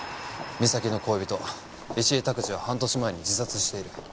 美咲の恋人石井卓司は半年前に自殺している。